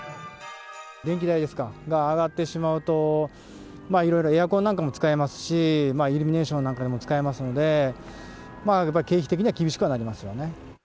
電気代ですか、が上がってしまうと、いろいろエアコンなんかも使いますし、イルミネーションなんかでも使いますので、やっぱり経費的には厳しくはなりますよね。